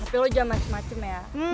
tapi lo jangan macem macem ya